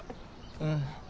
うん。